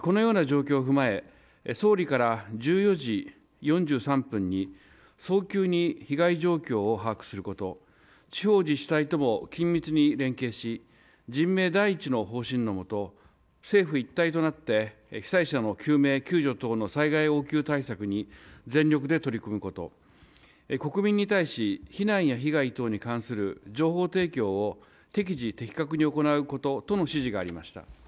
このような状況を踏まえ、総理から１４時４３分に早急に被害状況を把握すること、地方自治体とも緊密に連携し、人命第一の方針のもと、政府一体となって、被災者の救命救助等の災害要求対策に全力で取り組むこと、国民に対し、避難や被害等に関する情報提供を適時的確に行うこととの指示がありました。